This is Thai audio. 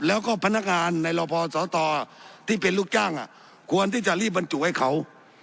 แล้วก็พนักงานในรพสตที่เป็นลูกจ้างควรที่จะรีบบรรจุให้เขา